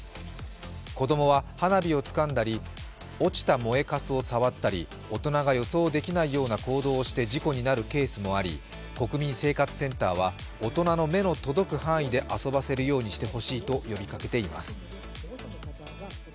子供は花火をつかんだり、落ちた燃えかすを触ったり大人が予想できないような行動をして事故になるケースもあり国民生活センターは大人の目の届く範囲で遊ばせるようにしてほしいと呼びかけています。